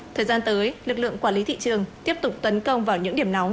thời gian tới lực lượng quản lý thị trường tiếp tục tấn công vào những điểm nóng